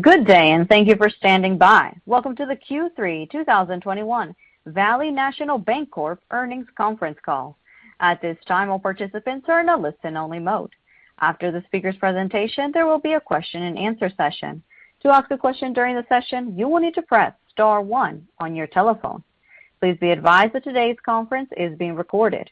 Good day, and thank you for standing by. Welcome to the Q3 2021 Valley National Bancorp earnings conference call. At this time, all participants are in a listen-only mode. After the speakers' presentation, there will be a question-and-answer session. To ask a question during the session, you will need to press star one on your telephone. Please be advised that today's conference is being recorded.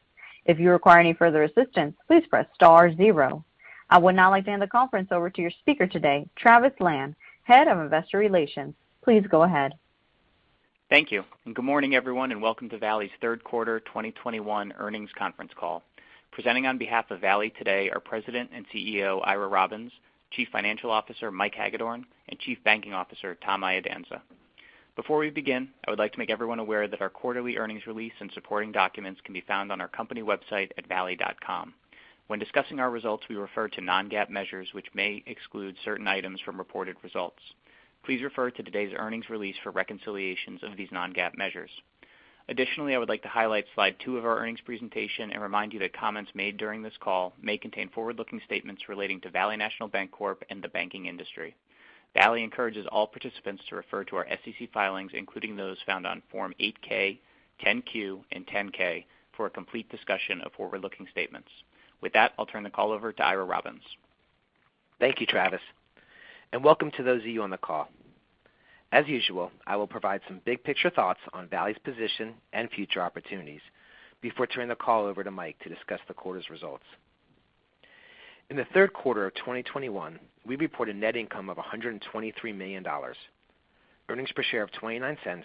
If you require any further assistance, please press star zero. I would now like to hand the conference over to your speaker today, Travis Lan, Head of Investor Relations. Please go ahead. Thank you, and good morning, everyone, and welcome to Valley's third quarter 2021 earnings conference call. Presenting on behalf of Valley today are President and CEO, Ira Robbins, Chief Financial Officer, Mike Hagedorn, and Chief Banking Officer, Tom Iadanza. Before we begin, I would like to make everyone aware that our quarterly earnings release and supporting documents can be found on our company website at valley.com. When discussing our results, we refer to non-GAAP measures which may exclude certain items from reported results. Please refer to today's earnings release for reconciliations of these non-GAAP measures. Additionally, I would like to highlight slide two of our earnings presentation and remind you that comments made during this call may contain forward-looking statements relating to Valley National Bancorp and the banking industry. Valley encourages all participants to refer to our SEC filings, including those found on Form 8-K, 10-Q, and 10-K for a complete discussion of forward-looking statements. With that, I'll turn the call over to Ira Robbins. Thank you, Travis, and welcome to those of you on the call. As usual, I will provide some big picture thoughts on Valley's position and future opportunities before turning the call over to Mike to discuss the quarter's results. In the third quarter of 2021, we reported net income of $123 million, earnings per share of $0.29,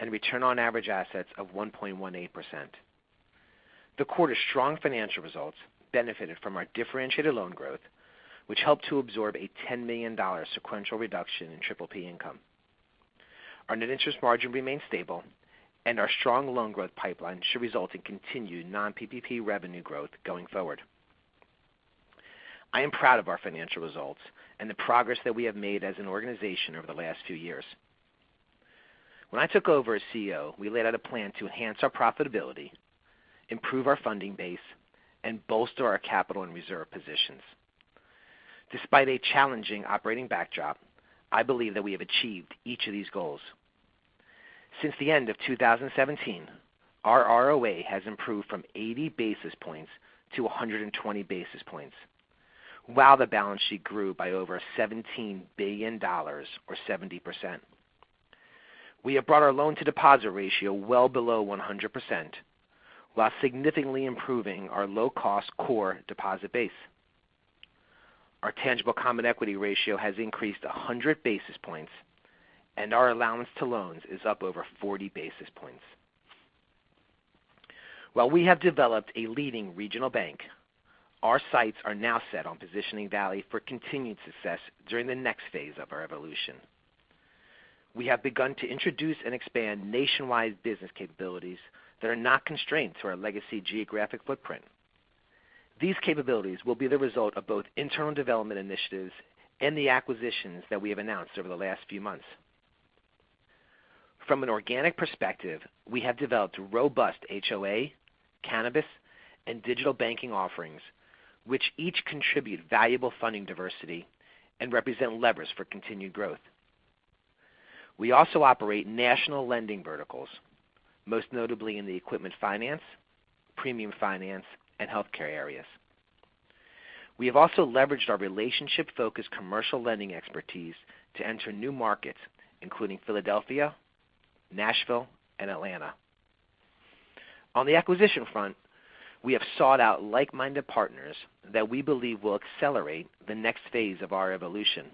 and return on average assets of 1.18%. The quarter's strong financial results benefited from our differentiated loan growth, which helped to absorb a $10 million sequential reduction in PPP income. Our Net Interest Margin remains stable, and our strong loan growth pipeline should result in continued non-PPP revenue growth going forward. I am proud of our financial results and the progress that we have made as an organization over the last few years. When I took over as CEO, we laid out a plan to enhance our profitability, improve our funding base, and bolster our capital and reserve positions. Despite a challenging operating backdrop, I believe that we have achieved each of these goals. Since the end of 2017, our ROA has improved from 80 basis points to 120 basis points, while the balance sheet grew by over $17 billion or 70%. We have brought our loan-to-deposit ratio well below 100% while significantly improving our low-cost core deposit base. Our tangible common equity ratio has increased 100 basis points, and our allowance to loans is up over 40 basis points. While we have developed a leading regional bank, our sights are now set on positioning Valley for continued success during the next phase of our evolution. We have begun to introduce and expand nationwide business capabilities that are not constrained to our legacy geographic footprint. These capabilities will be the result of both internal development initiatives and the acquisitions that we have announced over the last few months. From an organic perspective, we have developed robust HOA, cannabis, and digital banking offerings, which each contribute valuable funding diversity and represent levers for continued growth. We also operate national lending verticals, most notably in the equipment finance, premium finance, and healthcare areas. We have also leveraged our relationship-focused commercial lending expertise to enter new markets, including Philadelphia, Nashville, and Atlanta. On the acquisition front, we have sought out like-minded partners that we believe will accelerate the next phase of our evolution.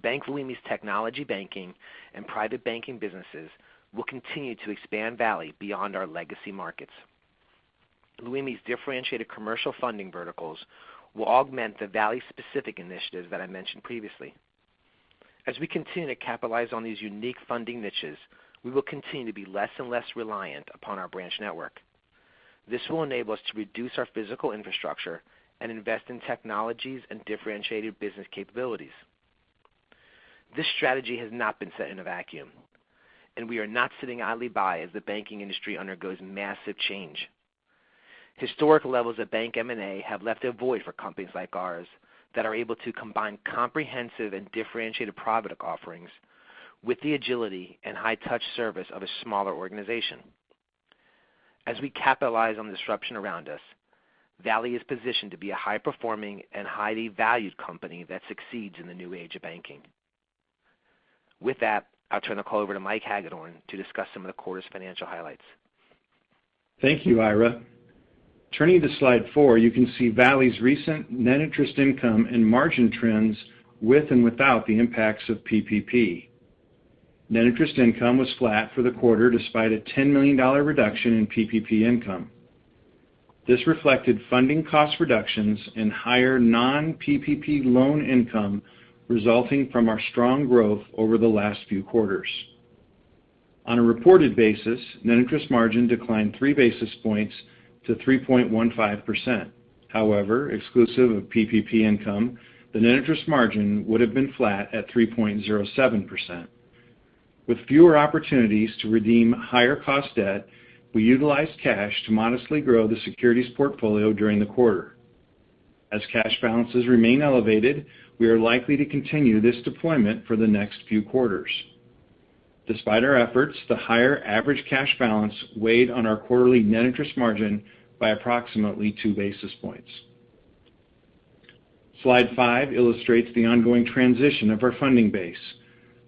Bank Leumi's technology banking and private banking businesses will continue to expand Valley beyond our legacy markets. Leumi's differentiated commercial funding verticals will augment the Valley specific initiatives that I mentioned previously. As we continue to capitalize on these unique funding niches, we will continue to be less and less reliant upon our branch network. This will enable us to reduce our physical infrastructure and invest in technologies and differentiated business capabilities. This strategy has not been set in a vacuum, and we are not sitting idly by as the banking industry undergoes massive change. Historic levels of bank M&A have left a void for companies like ours that are able to combine comprehensive and differentiated product offerings with the agility and high touch service of a smaller organization. As we capitalize on the disruption around us, Valley is positioned to be a high-performing and highly valued company that succeeds in the new age of banking. With that, I'll turn the call over to Mike Hagedorn to discuss some of the quarter's financial highlights. Thank you, Ira. Turning to slide four, you can see Valley's recent Net Interest Income and margin trends with and without the impacts of PPP. Net Interest Income was flat for the quarter despite a $10 million reduction in PPP income. This reflected funding cost reductions and higher non-PPP loan income resulting from our strong growth over the last few quarters. On a reported basis, Net Interest Margin declined 3 basis points to 3.15%. However, exclusive of PPP income, the Net Interest Margin would have been flat at 3.07%. With fewer opportunities to redeem higher cost debt, we utilized cash to modestly grow the securities portfolio during the quarter. As cash balances remain elevated, we are likely to continue this deployment for the next few quarters. Despite our efforts, the higher average cash balance weighed on our quarterly Net Interest Margin by approximately 2 basis points. Slide five, illustrates the ongoing transition of our funding base.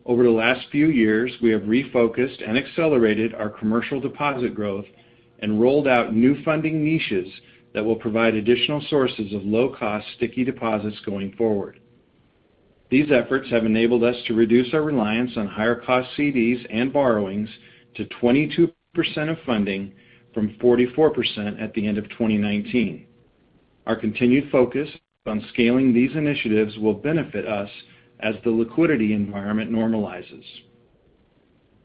Over the last few years, we have refocused and accelerated our commercial deposit growth and rolled out new funding niches that will provide additional sources of low-cost sticky deposits going forward. These efforts have enabled us to reduce our reliance on higher cost CDs and borrowings to 22% of funding from 44% at the end of 2019. Our continued focus on scaling these initiatives will benefit us as the liquidity environment normalizes.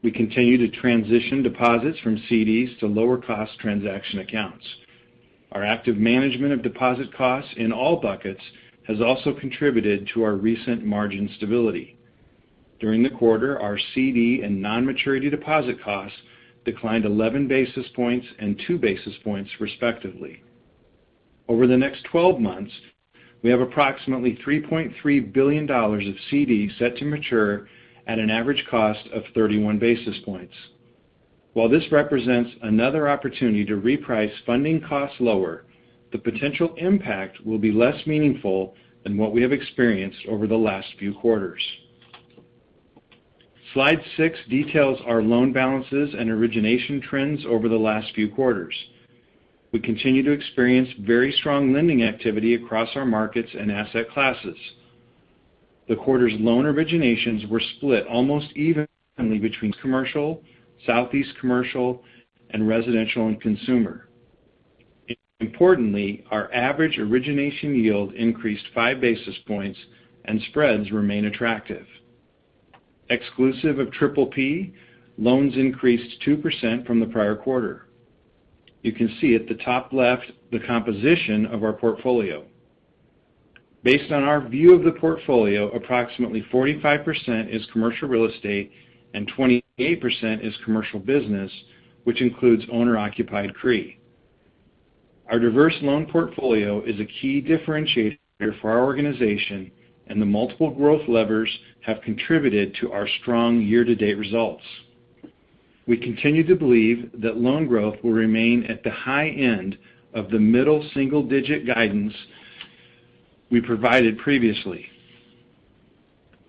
We continue to transition deposits from CDs to lower cost transaction accounts. Our active management of deposit costs in all buckets has also contributed to our recent margin stability. During the quarter, our CD and non-maturity deposit costs declined 11 basis points and 2 basis points, respectively. Over the next 12 months, we have approximately $3.3 billion of CDs set to mature at an average cost of 31 basis points. While this represents another opportunity to reprice funding costs lower, the potential impact will be less meaningful than what we have experienced over the last few quarters. Slide six, details our loan balances and origination trends over the last few quarters. We continue to experience very strong lending activity across our markets and asset classes. The quarter's loan originations were split almost evenly between commercial, Southeast commercial, and residential and consumer. Importantly, our average origination yield increased 5 basis points and spreads remain attractive. Exclusive of PPP, loans increased 2% from the prior quarter. You can see at the top left the composition of our portfolio. Based on our view of the portfolio, approximately 45% is commercial real estate and 28% is commercial business, which includes owner-occupied CRE. Our diverse loan portfolio is a key differentiator for our organization, and the multiple growth levers have contributed to our strong year-to-date results. We continue to believe that loan growth will remain at the high end of the middle single-digit guidance we provided previously.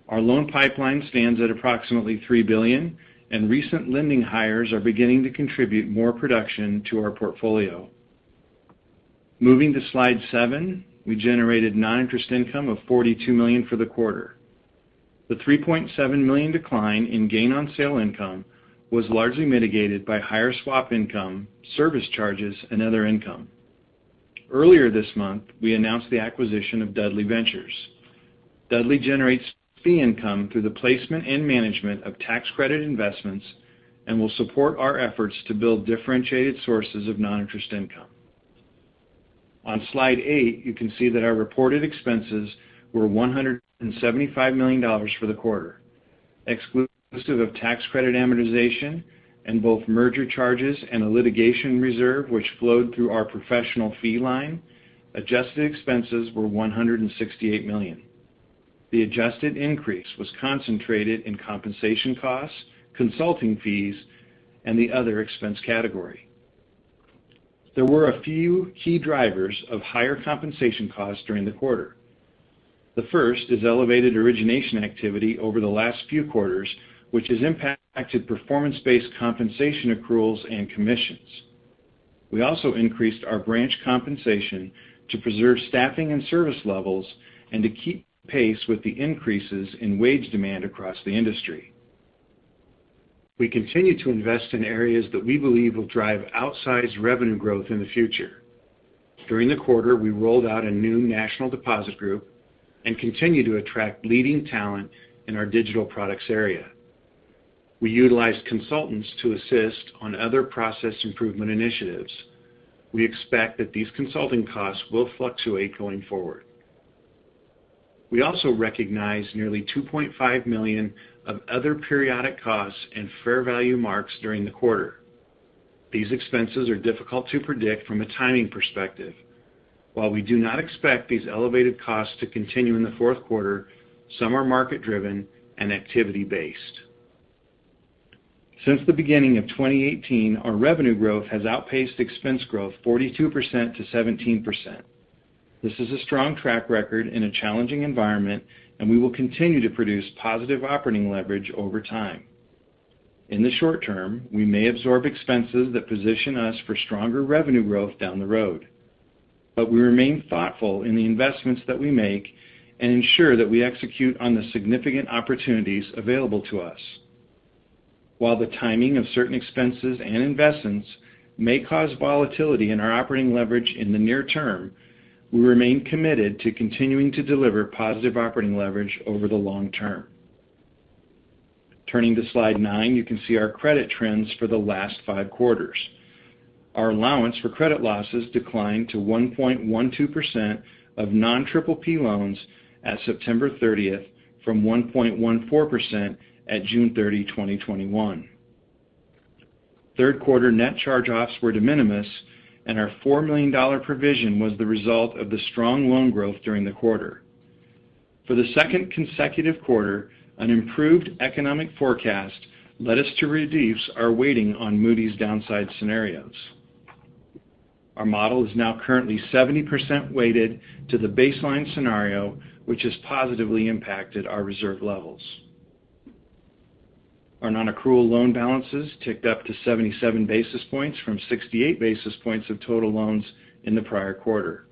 Our loan pipeline stands at approximately $3 billion, and recent lending hires are beginning to contribute more production to our portfolio. Moving to slide seven, we generated non-interest income of $42 million for the quarter. The $3.7 million decline in gain on sale income was largely mitigated by higher swap income, service charges, and other income. Earlier this month, we announced the acquisition of Dudley Ventures. Dudley generates fee income through the placement and management of tax credit investments and will support our efforts to build differentiated sources of non-interest income. On slide eight, you can see that our reported expenses were $175 million for the quarter. Exclusive of tax credit amortization and both merger charges and a litigation reserve which flowed through our professional fee line, adjusted expenses were $168 million. The adjusted increase was concentrated in compensation costs, consulting fees, and the other expense category. There were a few key drivers of higher compensation costs during the quarter. The first is elevated origination activity over the last few quarters, which has impacted performance-based compensation accruals and commissions. We also increased our branch compensation to preserve staffing and service levels and to keep pace with the increases in wage demand across the industry. We continue to invest in areas that we believe will drive outsized revenue growth in the future. During the quarter, we rolled out a new national deposit group and continue to attract leading talent in our digital products area. We utilized consultants to assist on other process improvement initiatives. We expect that these consulting costs will fluctuate going forward. We also recognized nearly $2.5 million of other periodic costs and fair value marks during the quarter. These expenses are difficult to predict from a timing perspective. While we do not expect these elevated costs to continue in the fourth quarter, some are market-driven and activity-based. Since the beginning of 2018, our revenue growth has outpaced expense growth 42%-17%. This is a strong track record in a challenging environment, and we will continue to produce positive operating leverage over time. In the short term, we may absorb expenses that position us for stronger revenue growth down the road. We remain thoughtful in the investments that we make and ensure that we execute on the significant opportunities available to us. While the timing of certain expenses and investments may cause volatility in our operating leverage in the near term, we remain committed to continuing to deliver positive operating leverage over the long term. Turning to slide nine, you can see our credit trends for the last five quarters. Our allowance for credit losses declined to 1.12% of non-PPP loans at September 30 from 1.14% at June 30, 2021. Third quarter net charge-offs were de minimis, and our $4 million provision was the result of the strong loan growth during the quarter. For the second consecutive quarter, an improved economic forecast led us to reduce our weighting on Moody's downside scenarios. Our model is now currently 70% weighted to the baseline scenario, which has positively impacted our reserve levels. Our non-accrual loan balances ticked up to 77 basis points from 68 basis points of total loans in the prior quarter.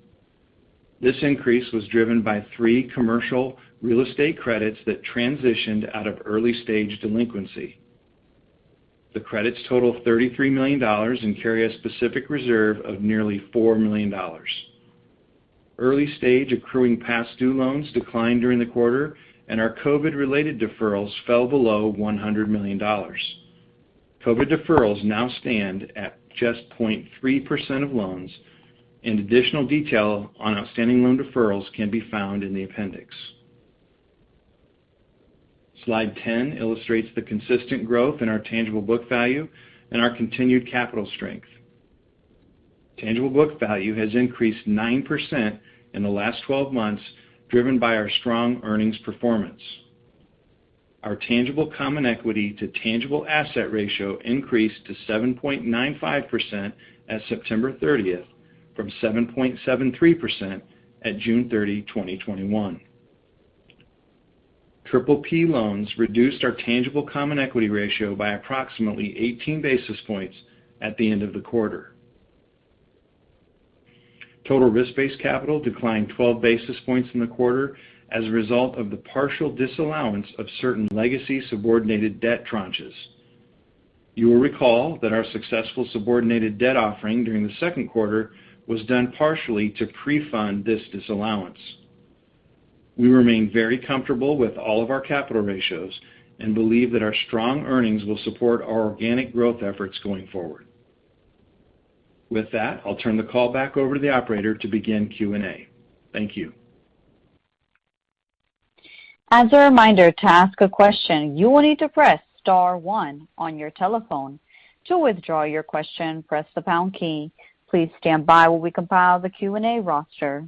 This increase was driven by three commercial real estate credits that transitioned out of early-stage delinquency. The credits total $33 million and carry a specific reserve of nearly $4 million. Early stage accruing past due loans declined during the quarter, and our COVID-related deferrals fell below $100 million. COVID deferrals now stand at just 0.3% of loans. Additional detail on outstanding loan deferrals can be found in the appendix. Slide 10, illustrates the consistent growth in our tangible book value and our continued capital strength. Tangible book value has increased 9% in the last 12 months, driven by our strong earnings performance. Our tangible common equity to tangible asset ratio increased to 7.95% as of September 30 from 7.73% at June 30, 2021. PPP loans reduced our tangible common equity ratio by approximately 18 basis points at the end of the quarter. Total risk-based capital declined 12 basis points in the quarter as a result of the partial disallowance of certain legacy subordinated debt tranches. You will recall that our successful subordinated debt offering during the second quarter was done partially to pre-fund this disallowance. We remain very comfortable with all of our capital ratios and believe that our strong earnings will support our organic growth efforts going forward. With that, I'll turn the call back over to the operator to begin Q&A. Thank you. As a reminder, to ask a question, you will need to press star one on your telephone. To withdraw your question, press the pound key. Please stand by while we compile the Q&A roster.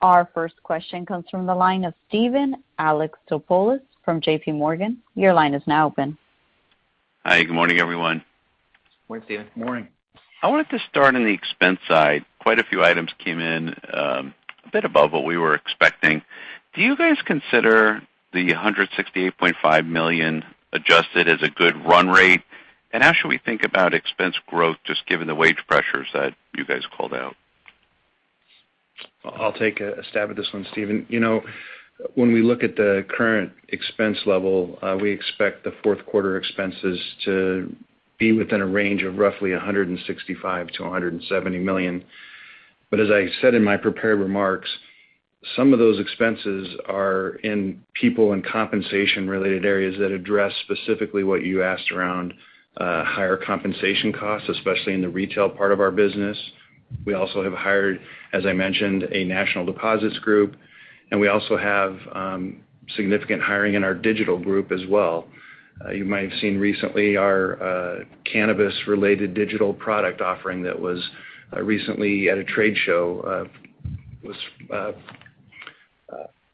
Our first question comes from the line of Steven Alexopoulos from JPMorgan. Your line is now open. Hi. Good morning, everyone. Morning, Steven. Morning. I wanted to start on the expense side. Quite a few items came in, a bit above what we were expecting. Do you guys consider the $168.5 million adjusted as a good run rate? How should we think about expense growth, just given the wage pressures that you guys called out? I'll take a stab at this one, Steven. You know, when we look at the current expense level, we expect the fourth quarter expenses to be within a range of roughly $165 million-$170 million. As I said in my prepared remarks, some of those expenses are in people and compensation-related areas that address specifically what you asked around higher compensation costs, especially in the retail part of our business. We also have hired, as I mentioned, a national deposits group, and we also have significant hiring in our digital group as well. You might have seen recently our cannabis-related digital product offering that was recently at a trade show and was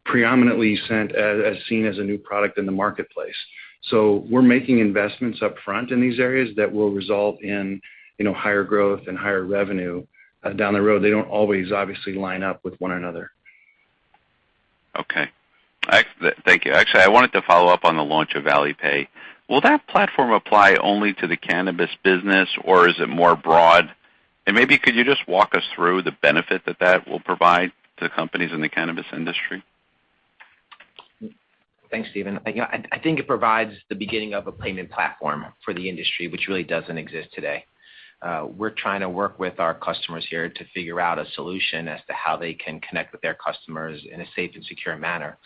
predominantly seen as a new product in the marketplace. We're making investments up front in these areas that will result in, you know, higher growth and higher revenue, down the road. They don't always obviously line up with one another. Okay. Thank you. Actually, I wanted to follow up on the launch of Valley Pay. Will that platform apply only to the cannabis business or is it more broad? Maybe you could just walk us through the benefit that that will provide to companies in the cannabis industry? Thanks, Steven. You know, I think it provides the beginning of a payment platform for the industry, which really doesn't exist today. We're trying to work with our customers here to figure out a solution as to how they can connect with their customers in a safe and secure manner.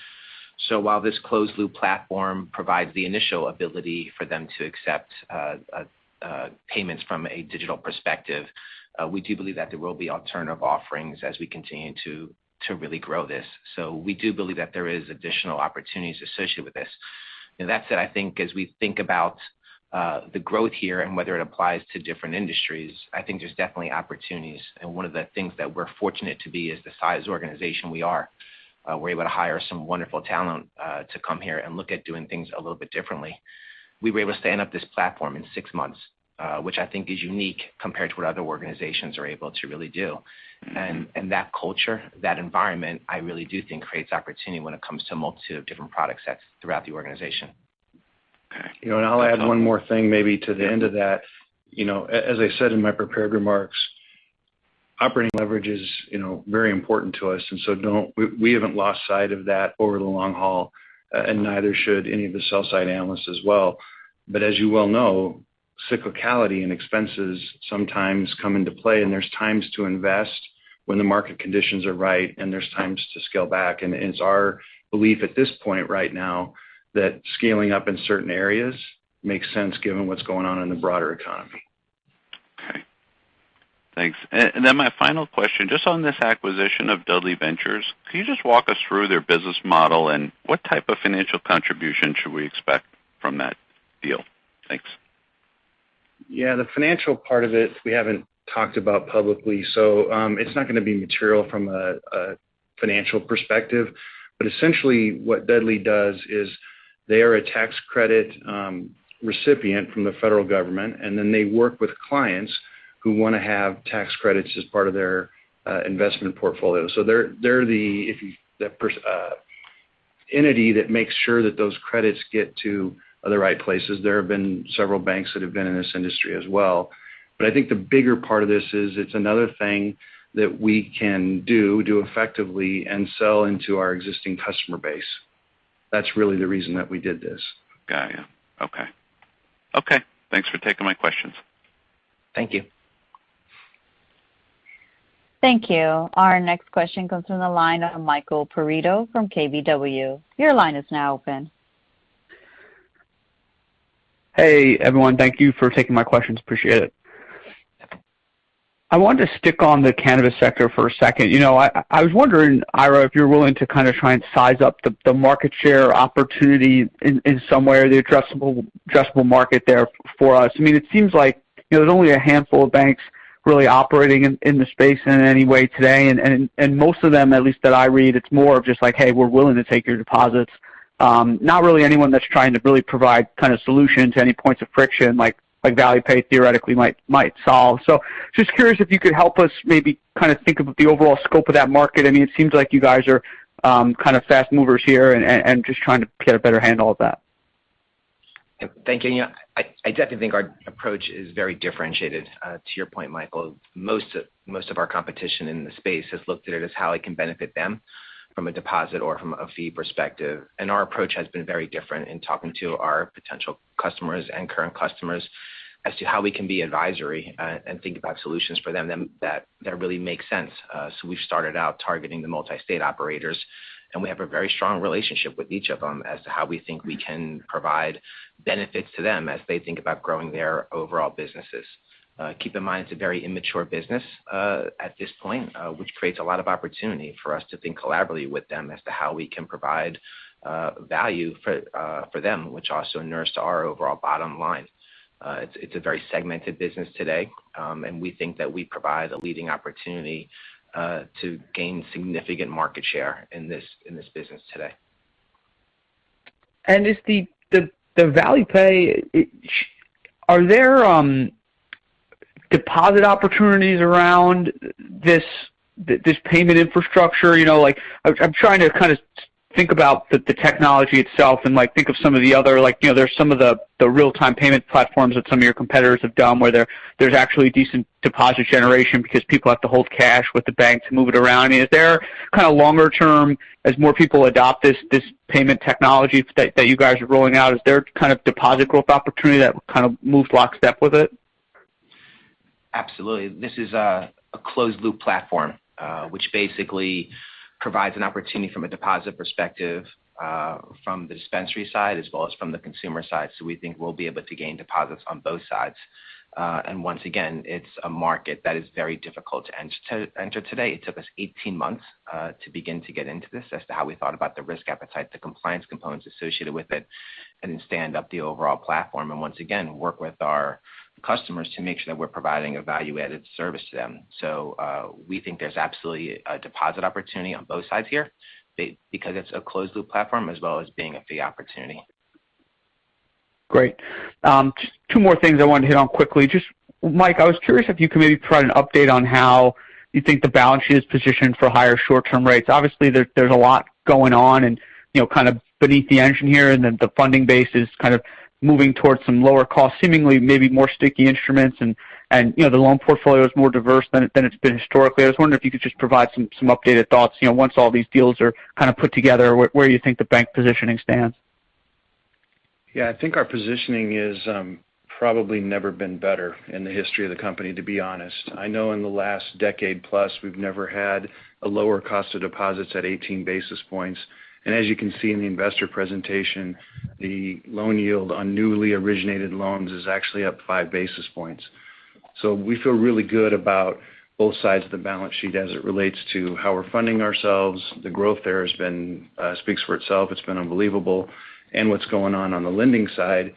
While this closed-loop platform provides the initial ability for them to accept payments from a digital perspective, we do believe that there will be alternative offerings as we continue to really grow this. We do believe that there is additional opportunities associated with this. You know, that said, I think as we think about the growth here and whether it applies to different industries, I think there's definitely opportunities. One of the things that we're fortunate to be is the size organization we are. We're able to hire some wonderful talent to come here and look at doing things a little bit differently. We were able to stand up this platform in six months, which I think is unique compared to what other organizations are able to really do. That culture, that environment, I really do think creates opportunity when it comes to a multitude of different product sets throughout the organization. Okay. You know, I'll add one more thing maybe to the end of that. You know, as I said in my prepared remarks, operating leverage is, you know, very important to us. We haven't lost sight of that over the long haul, and neither should any of the sell-side analysts as well. As you well know, cyclicality and expenses sometimes come into play, and there's times to invest. When the market conditions are right and there's times to scale back. It's our belief at this point right now that scaling up in certain areas makes sense given what's going on in the broader economy. Okay. Thanks. My final question, just on this acquisition of Dudley Ventures. Can you just walk us through their business model and what type of financial contribution should we expect from that deal? Thanks. Yeah. The financial part of it we haven't talked about publicly, so, it's not gonna be material from a financial perspective. Essentially, what Dudley does is they are a tax credit recipient from the federal government, and then they work with clients who wanna have tax credits as part of their investment portfolio. They're the entity that makes sure that those credits get to the right places. There have been several banks that have been in this industry as well. I think the bigger part of this is it's another thing that we can do effectively and sell into our existing customer base. That's really the reason that we did this. Got you. Okay. Okay, thanks for taking my questions. Thank you. Thank you. Our next question comes from the line of Michael Perito from KBW. Your line is now open. Hey, everyone. Thank you for taking my questions. Appreciate it. I want to stick on the cannabis sector for a second. You know, I was wondering, Ira, if you're willing to kind of try and size up the market share opportunity in some way or the addressable market there for us. I mean, it seems like, you know, there's only a handful of banks really operating in the space in any way today. And most of them, at least that I read, it's more of just like, "Hey, we're willing to take your deposits." Not really anyone that's trying to really provide kind of solution to any points of friction like Valley Pay theoretically might solve. Just curious if you could help us maybe kind of think of the overall scope of that market. I mean, it seems like you guys are kind of fast movers here and just trying to get a better handle of that. Thank you. I definitely think our approach is very differentiated. To your point, Michael, most of our competition in the space has looked at it as how it can benefit them from a deposit or from a fee perspective. Our approach has been very different in talking to our potential customers and current customers as to how we can be advisory and think about solutions for them that really make sense. We've started out targeting the multi-state operators, and we have a very strong relationship with each of them as to how we think we can provide benefits to them as they think about growing their overall businesses. Keep in mind it's a very immature business at this point, which creates a lot of opportunity for us to think collaboratively with them as to how we can provide value for them, which also inures to our overall bottom line. It's a very segmented business today, and we think that we provide a leading opportunity to gain significant market share in this business today. Is the Valley Pay, are there deposit opportunities around this payment infrastructure? You know, like I'm trying to kind of think about the technology itself and like think of some of the other like, you know, there's some of the real-time payment platforms that some of your competitors have done where there's actually decent deposit generation because people have to hold cash with the bank to move it around. Is there kind of longer term as more people adopt this payment technology that you guys are rolling out, is there kind of deposit growth opportunity that kind of moves lockstep with it? Absolutely. This is a closed loop platform, which basically provides an opportunity from a deposit perspective, from the dispensary side as well as from the consumer side. We think we'll be able to gain deposits on both sides. Once again, it's a market that is very difficult to enter today. It took us 18 months to begin to get into this as to how we thought about the risk appetite, the compliance components associated with it, and then stand up the overall platform. Once again, work with our customers to make sure that we're providing a value-added service to them. We think there's absolutely a deposit opportunity on both sides here because it's a closed loop platform as well as being a fee opportunity. Great. Just two more things I wanted to hit on quickly. Just, Mike, I was curious if you could maybe provide an update on how you think the balance sheet is positioned for higher short-term rates. Obviously, there's a lot going on and, you know, kind of beneath the engine here and the funding base is kind of moving towards some lower cost, seemingly maybe more sticky instruments and, you know, the loan portfolio is more diverse than it's been historically. I was wondering if you could just provide some updated thoughts, you know, once all these deals are kind of put together, where you think the bank positioning stands. Yeah. I think our positioning is probably never been better in the history of the company, to be honest. I know in the last decade plus we've never had a lower cost of deposits at 18 basis points. As you can see in the investor presentation, the loan yield on newly originated loans is actually up 5 basis points. We feel really good about both sides of the balance sheet as it relates to how we're funding ourselves. The growth there has been speaks for itself. It's been unbelievable. What's going on on the lending side,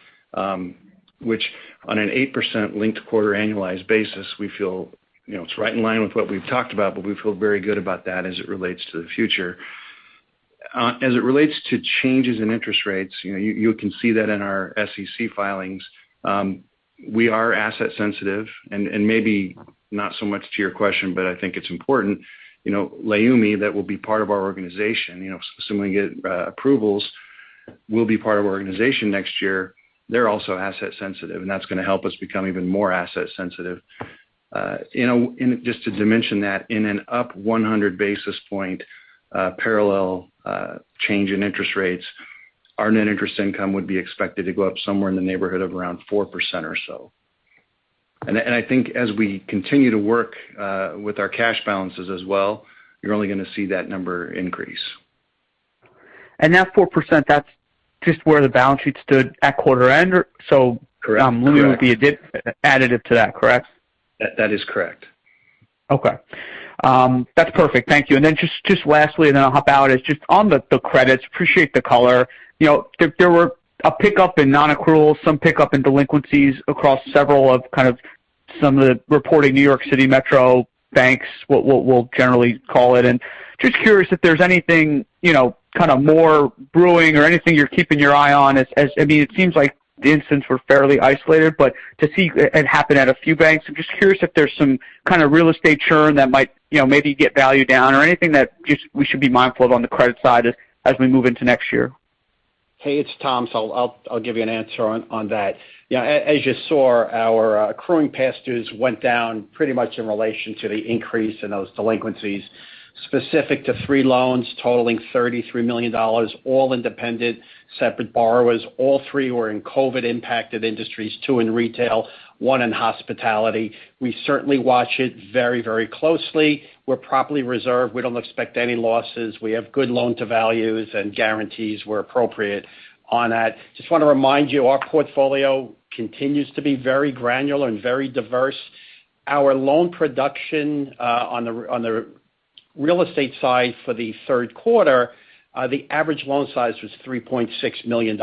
which on an 8% linked quarter annualized basis, we feel, you know, it's right in line with what we've talked about, but we feel very good about that as it relates to the future. As it relates to changes in interest rates, you know, you can see that in our SEC filings. We are asset sensitive and maybe not so much to your question, but I think it's important. You know, Leumi, that will be part of our organization, you know, assuming we get approvals, will be part of our organization next year. They're also asset sensitive, and that's gonna help us become even more asset sensitive. You know, and just to dimension that, in an up 100 basis point parallel change in interest rates. Our Net Interest Income would be expected to go up somewhere in the neighborhood of around 4% or so. I think as we continue to work with our cash balances as well, you're only gonna see that number increase. That 4%, that's just where the balance sheet stood at quarter end or so. Correct. Limited with the additive to that, correct? That is correct. Okay. That's perfect. Thank you. Then just lastly and then I'll hop out is just on the credits. Appreciate the color. You know, there were a pickup in non-accrual, some pickup in delinquencies across several of kind of some of the reporting New York City Metro banks, what we'll generally call it. Just curious if there's anything, you know, kind of more brewing or anything you're keeping your eye on. I mean, it seems like the incidents were fairly isolated, but to see it happen at a few banks, I'm just curious if there's some kind of real estate churn that might, you know, maybe get value down or anything that just we should be mindful of on the credit side as we move into next year. Hey, it's Tom. I'll give you an answer on that. Yeah. As you saw, our accruing past dues went down pretty much in relation to the increase in those delinquencies. Specific to three loans totaling $33 million, all independent separate borrowers. All three were in COVID impacted industries, two in retail, one in hospitality. We certainly watch it very, very closely. We're properly reserved. We don't expect any losses. We have good loan to values and guarantees were appropriate on that. Just wanna remind you, our portfolio continues to be very granular and very diverse. Our loan production on the real estate side for the third quarter, the average loan size was $3.6 million.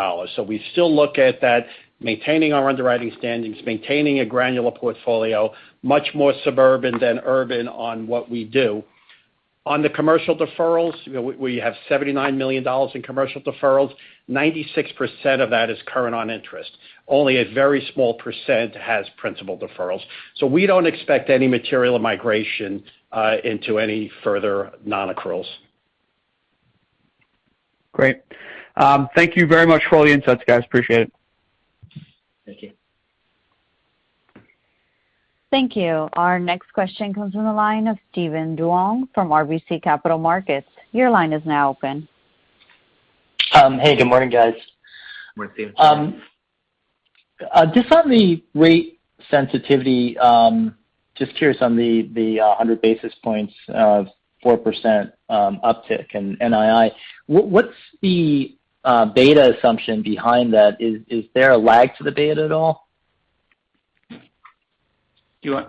We still look at that, maintaining our underwriting standards, maintaining a granular portfolio, much more suburban than urban on what we do. On the commercial deferrals, you know, we have $79 million in commercial deferrals. 96% of that is current on interest. Only a very small percent has principal deferrals. We don't expect any material migration into any further non-accruals. Great. Thank you very much for all the insights, guys. Appreciate it. Thank you. Thank you. Our next question comes from the line of Steven Duong from RBC Capital Markets. Your line is now open. Hey, good morning, guys. Morning, Steven. Just on the rate sensitivity, just curious on the 100 basis points of 4% uptick in NII. What's the beta assumption behind that? Is there a lag to the beta at all? Steven,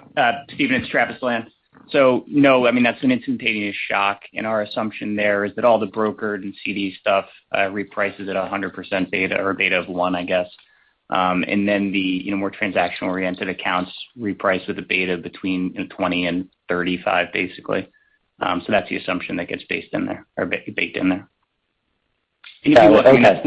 it's Travis Lan. No, I mean, that's an instantaneous shock. Our assumption there is that all the brokered and CD stuff reprices at a 100% beta or a beta of one, I guess. Then the, you know, more transaction-oriented accounts reprice with a beta between, you know, 20 and 35, basically. That's the assumption that gets based in there or baked in there. Got it. Okay. If you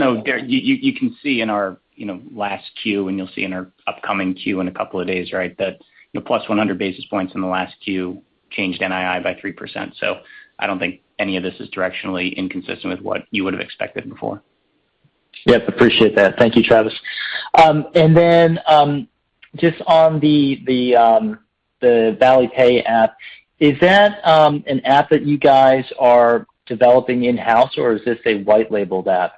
look, I mean, you can see in our, you know, last Q and you'll see in our upcoming Q in a couple of days, right, that, you know, 100+ basis points in the last Q changed NII by 3%. I don't think any of this is directionally inconsistent with what you would've expected before. Yes. I appreciate that. Thank you, Travis. Just on the Valley Pay app, is that an app that you guys are developing in-house or is this a white label app?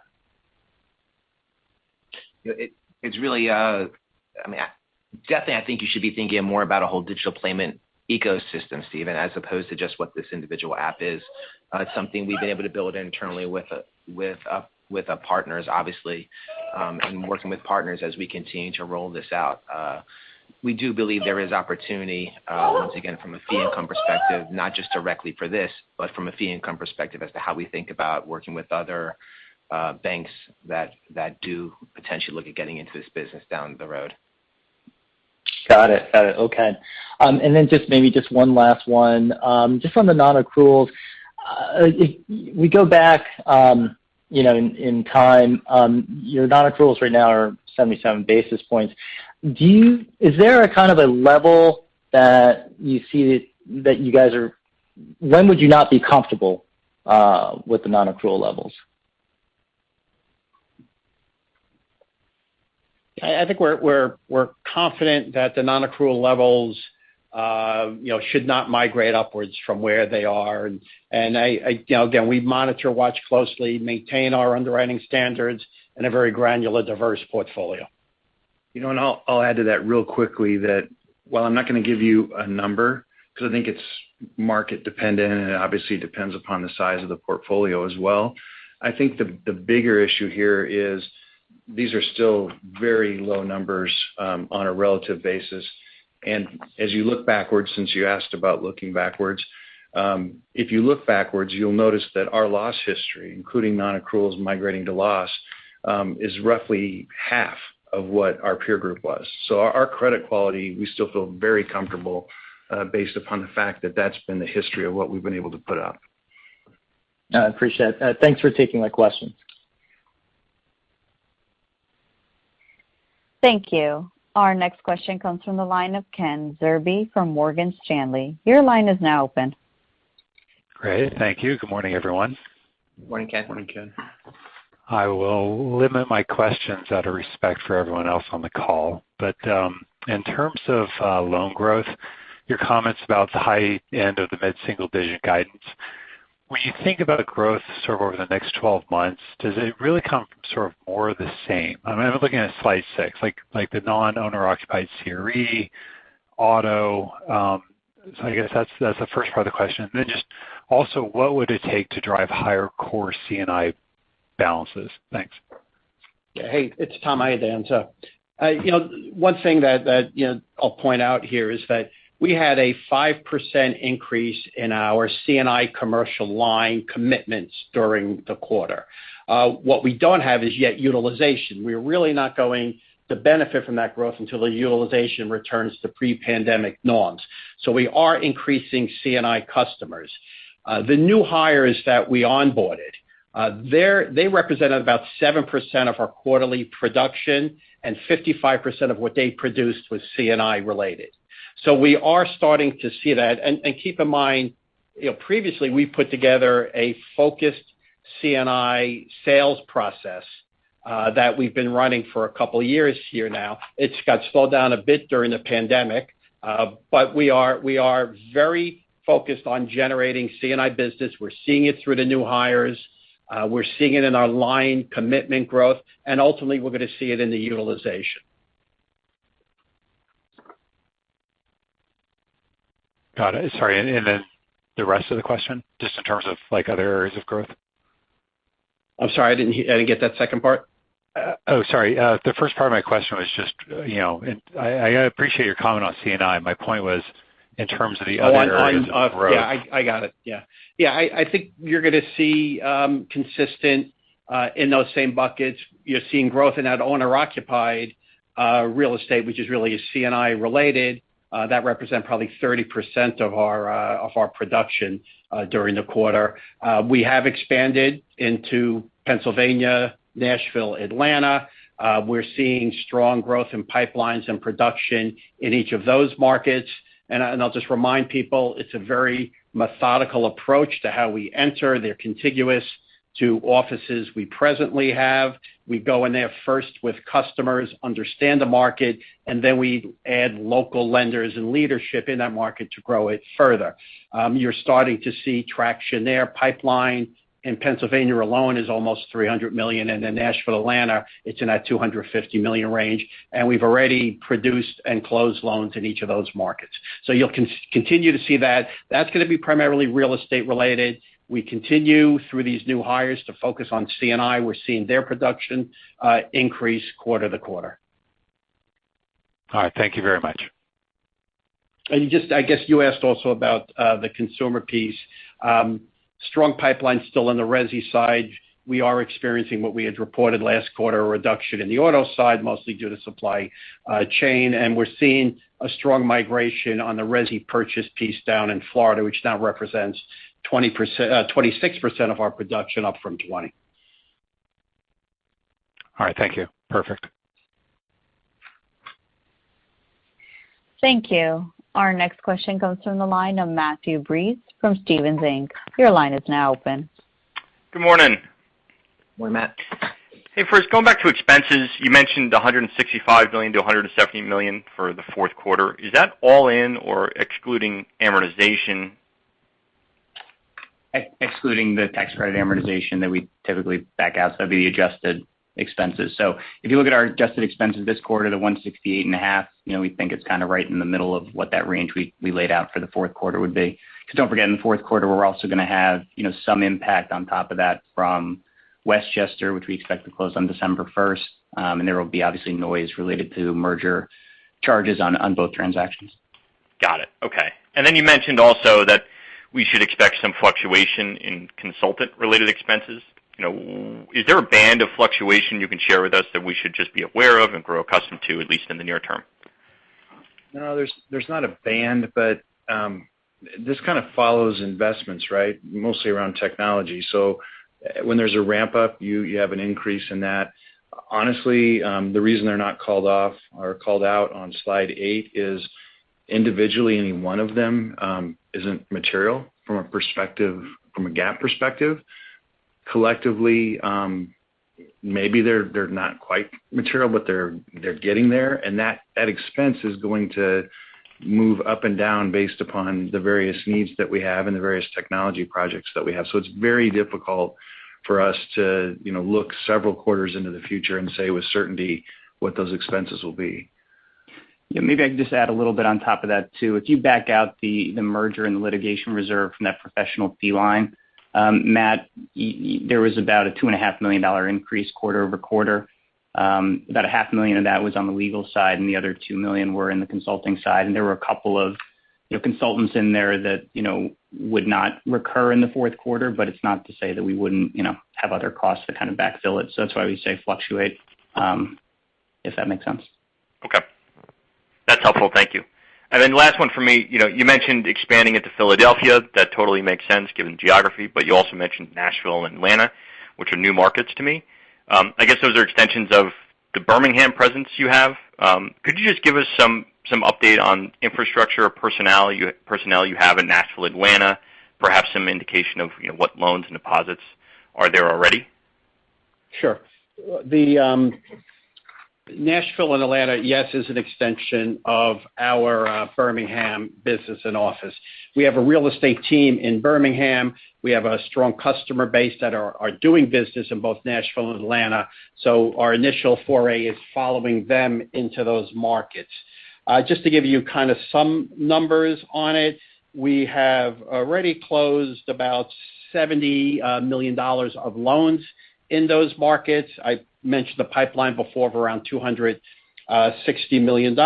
It's really, I mean, definitely I think you should be thinking more about a whole digital payment ecosystem, Steven, as opposed to just what this individual app is. It's something we've been able to build internally with partners obviously, and working with partners as we continue to roll this out. We do believe there is opportunity, once again, from a fee income perspective, not just directly for this, but from a fee income perspective as to how we think about working with other banks that do potentially look at getting into this business down the road. Got it. Okay. Just maybe one last one. Just on the non-accruals. If we go back, you know, in time, your non-accruals right now are 77 basis points. Is there a kind of a level that you see that you guys are? When would you not be comfortable with the non-accrual levels? I think we're confident that the non-accrual levels, you know, should not migrate upwards from where they are. You know, again, we monitor, watch closely, maintain our underwriting standards in a very granular, diverse portfolio. You know, I'll add to that real quickly that while I'm not gonna give you a number because I think it's market dependent and it obviously depends upon the size of the portfolio as well, I think the bigger issue here is these are still very low numbers on a relative basis. As you look backwards, since you asked about looking backwards, if you look backwards, you'll notice that our loss history, including non-accruals migrating to loss, is roughly half of what our peer group was. Our credit quality, we still feel very comfortable based upon the fact that that's been the history of what we've been able to put up. No, I appreciate it. Thanks for taking my questions. Thank you. Our next question comes from the line of Ken Zerbe from Morgan Stanley. Your line is now open. Great. Thank you. Good morning, everyone. Morning, Ken. Morning, Ken. I will limit my questions out of respect for everyone else on the call. In terms of loan growth, your comments about the high end of the mid-single digit guidance. When you think about growth sort of over the next 12 months, does it really come from sort of more of the same? I mean, I'm looking at slide six, like the non-owner-occupied CRE, auto. So I guess that's the first part of the question. Then just also, what would it take to drive higher core C&I balances? Thanks. Hey, it's Tom. I had to answer. You know, one thing that you know, I'll point out here is that we had a 5% increase in our C&I commercial line commitments during the quarter. What we don't have is yet utilization. We're really not going to benefit from that growth until the utilization returns to pre-pandemic norms. We are increasing C&I customers. The new hires that we onboarded, they represented about 7% of our quarterly production, and 55% of what they produced was C&I related. We are starting to see that. Keep in mind, you know, previously we put together a focused C&I sales process that we've been running for a couple years here now. It's got slowed down a bit during the pandemic, but we are very focused on generating C&I business. We're seeing it through the new hires. We're seeing it in our line commitment growth, and ultimately, we're gonna see it in the utilization. Got it. Sorry, the rest of the question, just in terms of, like, other areas of growth? I'm sorry, I didn't get that second part. The first part of my question was just, you know, and I appreciate your comment on C&I. My point was in terms of the other areas of growth. On the line. Yeah, I got it. Yeah, I think you're gonna see consistent in those same buckets. You're seeing growth in that owner-occupied real estate, which is really C&I related. That represent probably 30% of our production during the quarter. We have expanded into Pennsylvania, Nashville, Atlanta. We're seeing strong growth in pipelines and production in each of those markets. I'll just remind people, it's a very methodical approach to how we enter. They're contiguous to offices we presently have. We go in there first with customers, understand the market, and then we add local lenders and leadership in that market to grow it further. You're starting to see traction there. Pipeline in Pennsylvania alone is almost $300 million. Then Nashville, Atlanta, it's in that $250 million range. We've already produced and closed loans in each of those markets. You'll continue to see that. That's gonna be primarily real estate related. We continue through these new hires to focus on C&I. We're seeing their production increase quarter-over-quarter. All right. Thank you very much. Just, I guess you asked also about the consumer piece. Strong pipeline still on the resi side. We are experiencing what we had reported last quarter, a reduction in the auto side, mostly due to supply chain. We're seeing a strong migration on the resi purchase piece down in Florida, which now represents 26% of our production, up from 20%. All right. Thank you. Perfect. Thank you. Our next question comes from the line of Matthew Breese from Stephens Inc. Your line is now open. Good morning. Morning, Matt. Hey, first, going back to expenses, you mentioned $165 million-$170 million for the fourth quarter. Is that all in or excluding amortization? Excluding the tax credit amortization that we typically back out, so that'd be the adjusted expenses. If you look at our adjusted expenses this quarter, the $168.5 million, you know, we think it's kind of right in the middle of what that range we laid out for the fourth quarter would be. 'Cause don't forget, in the fourth quarter, we're also gonna have, you know, some impact on top of that from Westchester, which we expect to close on December 1, and there will be obviously noise related to merger charges on both transactions. Got it. Okay. You mentioned also that we should expect some fluctuation in consultant-related expenses. You know, is there a band of fluctuation you can share with us that we should just be aware of and grow accustomed to, at least in the near term? No, there's not a band, but this kind of follows investments, right? Mostly around technology. When there's a ramp-up, you have an increase in that. Honestly, the reason they're not called off or called out on slide eight is individually, any one of them isn't material from a perspective, from a GAAP perspective. Collectively, maybe they're not quite material, but they're getting there. That expense is going to move up and down based upon the various needs that we have and the various technology projects that we have. It's very difficult for us to, you know, look several quarters into the future and say with certainty what those expenses will be. Yeah, maybe I can just add a little bit on top of that too. If you back out the merger and the litigation reserve from that professional fee line, Matt, there was about a $2.5 million increase quarter-over-quarter. About $0.5 million of that was on the legal side, and the other $2 million were in the consulting side. There were a couple of, you know, consultants in there that, you know, would not recur in the fourth quarter, but it's not to say that we wouldn't, you know, have other costs to kind of backfill it. That's why we say fluctuate, if that makes sense. Okay. That's helpful. Thank you. Last one for me. You know, you mentioned expanding into Philadelphia. That totally makes sense given geography, but you also mentioned Nashville and Atlanta, which are new markets to me. I guess those are extensions of the Birmingham presence you have. Could you just give us some update on infrastructure or personnel you have in Nashville, Atlanta? Perhaps some indication of, you know, what loans and deposits are there already? Sure. The Nashville and Atlanta, yes, is an extension of our Birmingham business and office. We have a real estate team in Birmingham. We have a strong customer base that are doing business in both Nashville and Atlanta. Our initial foray is following them into those markets. Just to give you kind of some numbers on it, we have already closed about $70 million of loans in those markets. I mentioned the pipeline before of around $260 million.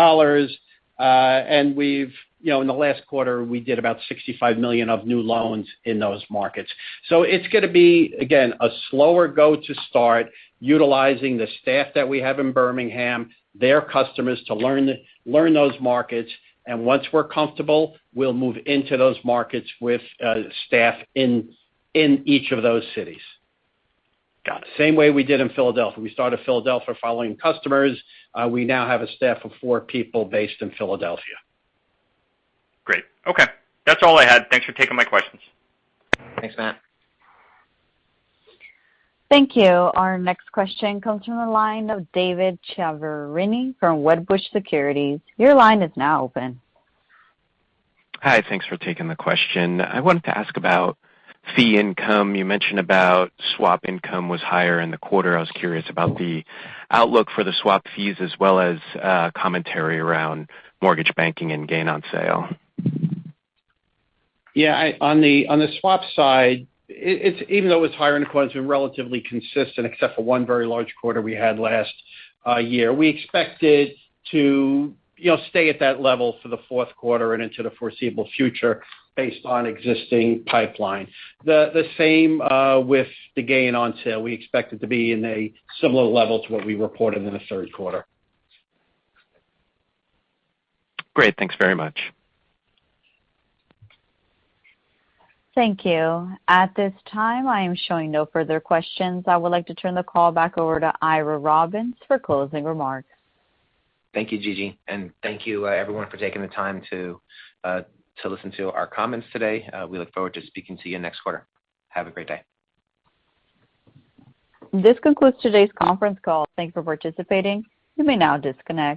And we've, you know, in the last quarter, we did about $65 million of new loans in those markets. It's gonna be, again, a slower go to start utilizing the staff that we have in Birmingham, their customers to learn those markets, and once we're comfortable, we'll move into those markets with staff in each of those cities. Got it. Same way we did in Philadelphia. We started in Philadelphia following customers. We now have a staff of four people based in Philadelphia. Great. Okay. That's all I had. Thanks for taking my questions. Thanks, Matt. Thank you. Our next question comes from the line of David Chiaverini from Wedbush Securities. Your line is now open. Hi. Thanks for taking the question. I wanted to ask about fee income. You mentioned about swap income was higher in the quarter. I was curious about the outlook for the swap fees as well as, commentary around mortgage banking and gain on sale. Yeah, on the swap side, it's even though it's higher than the quarter, it's been relatively consistent except for one very large quarter we had last year. We expect it to, you know, stay at that level for the fourth quarter and into the foreseeable future based on existing pipeline. The same with the gain on sale. We expect it to be in a similar level to what we reported in the third quarter. Great. Thanks very much. Thank you. At this time, I am showing no further questions. I would like to turn the call back over to Ira Robbins for closing remarks. Thank you, Gigi, and thank you, everyone for taking the time to listen to our comments today. We look forward to speaking to you next quarter. Have a great day. This concludes today's conference call. Thank you for participating. You may now disconnect.